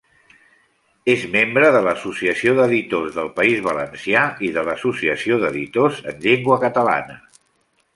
És membre de l'Associació d'editors del País Valencià i de l'Associació d'Editors en llengua Catalana.